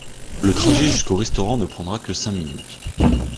La trajet jusqu'au restaurant ne prendra que cinq minutes.